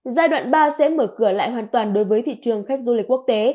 giai đoạn ba sẽ mở cửa lại hoàn toàn đối với thị trường khách du lịch quốc tế